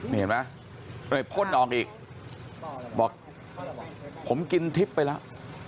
นี่เห็นไหมไปพ่นออกอีกบอกผมกินทิพย์ไปแล้ว